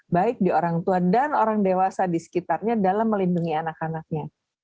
baik di orang tua dan orang dewasa di sekitarnya dalam melindungi anak anaknya